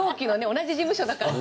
同じ事務所だから。